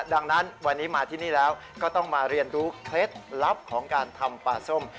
ดังนั้นวันนี้มาที่นี่แล้วก็ต้องมาเรียนรู้เคล็ดลับของการทำปลาส้ม